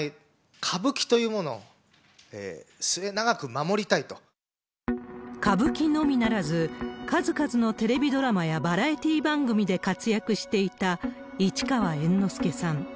歌舞伎というものを末永く守りた歌舞伎のみならず、数々のテレビドラマやバラエティー番組で活躍していた市川猿之助さん。